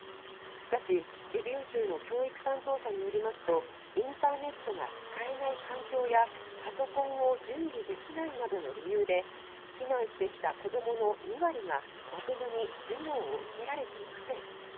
しかし、リビウ州の教育担当者によりますとインターネットが使えない環境やパソコンを準備できないなどの理由で避難してきた子どもの２割がまともに授業を受けられていません。